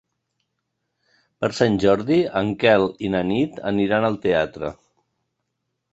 Per Sant Jordi en Quel i na Nit aniran al teatre.